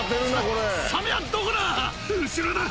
・後ろだ！